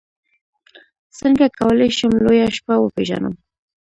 څنګه کولی شم لویه شپه وپېژنم